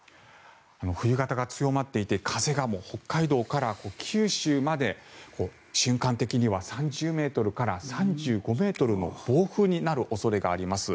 冬型が強まっていて風が北海道から九州まで瞬間的には３０ｍから３５ｍの暴風になる恐れがあります。